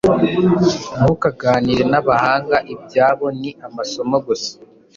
Ntukaganire n'abahanga ibyabo ni amasomo gusa